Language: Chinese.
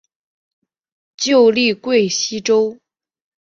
旧隶贵西道。